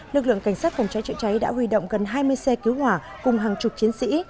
lực lượng cảnh sát phòng cháy chữa cháy đã huy động gần hai mươi xe cứu hỏa cùng hàng chục chiến sĩ